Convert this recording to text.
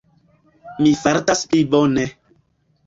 Mi fartas pli bone.